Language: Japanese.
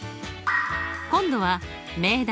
今度は命題